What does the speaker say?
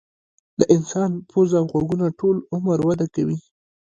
د انسان پوزه او غوږونه ټول عمر وده کوي.